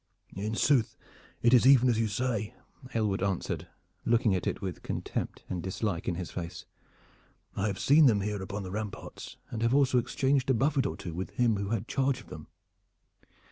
"In sooth, it is even as you say," Aylward answered, looking at it with contempt and dislike in his face. "I have seen them here upon the ramparts, and have also exchanged a buffet or two with him who had charge of them.